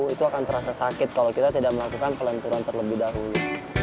itu akan terasa sakit kalau kita tidak melakukan pelenturan terlebih dahulu